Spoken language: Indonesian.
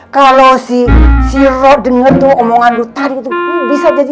kalau si roh denger omongan lu tadi itu bisa jadi masalah tau